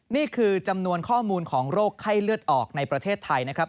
นี่คือจำนวนข้อมูลของโรคไข้เลือดออกในประเทศไทยนะครับ